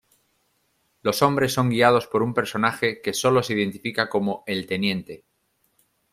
Los hombres son guiados por un personaje que solo se identifica como "el Teniente".